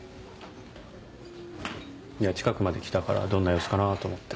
いや近くまで来たからどんな様子かなと思って。